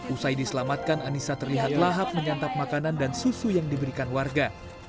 usai diselamatkan anissa terlihat lahap menyantap makanan dan susu yang diberikan warga